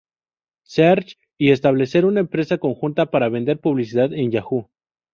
Search, y establecer una empresa conjunta para vender publicidad en Yahoo!